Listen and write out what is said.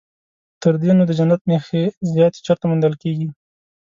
تر دې نو د جنت نښې زیاتې چیرته موندل کېږي.